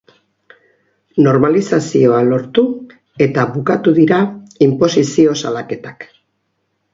Normalizazioa lortu eta bukatu dira inposizio salaketak.